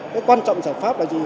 cái quan trọng giải pháp là gì